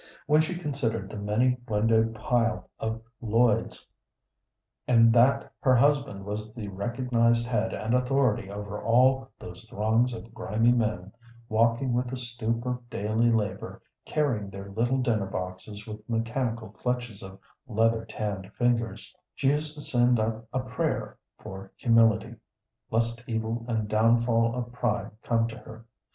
When she considered the many windowed pile of Lloyd's, and that her husband was the recognized head and authority over all those throngs of grimy men, walking with the stoop of daily labor, carrying their little dinner boxes with mechanical clutches of leather tanned fingers, she used to send up a prayer for humility, lest evil and downfall of pride come to her.